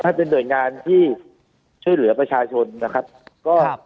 ถ้าเป็นหน่วยงานที่ช่วยเหลือประชาชนนะครับก็